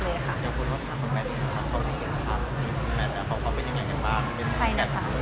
เดี๋ยวคุณรอบข้างคุณแมทค่ะเขาเป็นอย่างอย่างบ้าง